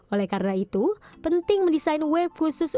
oleh karena itu penting mendesain web khusus